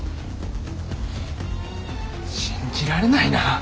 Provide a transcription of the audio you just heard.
信じられないな。